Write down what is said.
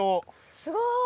すごい。